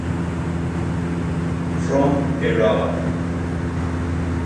From Iran.